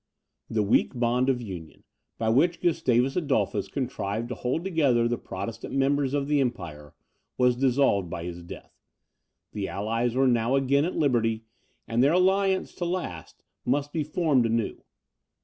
The weak bond of union, by which Gustavus Adolphus contrived to hold together the Protestant members of the empire, was dissolved by his death: the allies were now again at liberty, and their alliance, to last, must be formed anew.